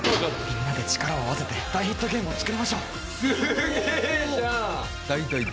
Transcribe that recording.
みんなで力を合わせて大ヒットゲームを作りましょうすげえじゃん！